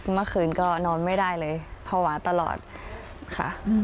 เมื่อคืนก็นอนไม่ได้เลยภาวะตลอดค่ะ